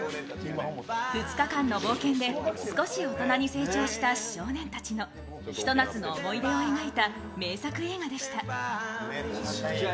２日間の冒険で少し大人に成長した少年たちの一夏の思い出を描いた名作映画でした。